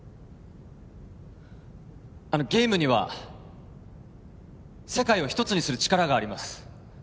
あのゲームには世界を一つにする力があります